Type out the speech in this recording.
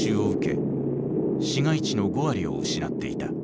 市街地の５割を失っていた。